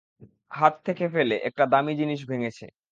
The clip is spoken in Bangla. হাত থেকে ফেলে একটা দামি জিনিস ভেঙেছে।